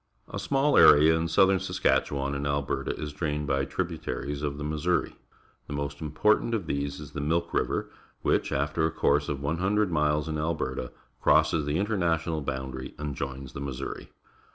A small area in southern Saskatchewan and Alberta is drained by tributaries of the Missouri. The most important of these Ls the Milk River, which, after a course of 100 miles in .\lberta, crosses the international boundary and joins the ^Missouri.